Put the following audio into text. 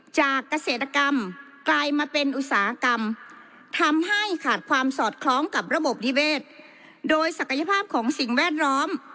จากเกษตรกรรมกลายมาเป็นอุตสาหกรรม